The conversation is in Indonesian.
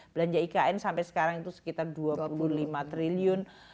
belanja ikn sampai sekarang itu sekitar dua puluh lima triliun